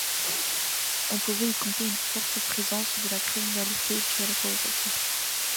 On pouvait y compter une forte présence de la criminalité due à la pauvreté.